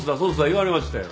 言われましたよ。